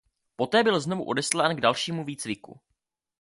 Poté byl znovu odeslán k dalšímu výcviku.